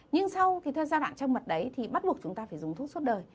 nhưng sau giai đoạn trăng mật đấy thì bắt buộc chúng ta phải dùng thuốc suốt đời